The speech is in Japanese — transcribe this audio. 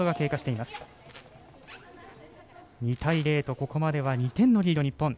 ここまでは２点のリード、日本。